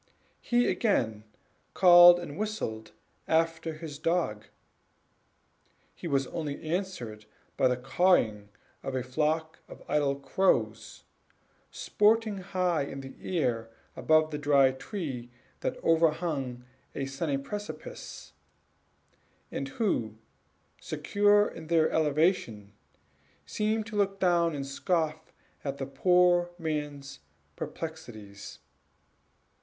He again called and whistled after his dog; he was only answered by the cawing of a flock of idle crows, sporting high in air about a dry tree that overhung a sunny precipice; and who, secure in their elevation, seemed to look down and scoff at the poor man's perplexities.